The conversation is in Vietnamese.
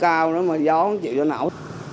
cây cao đó mà gió không chịu cho nào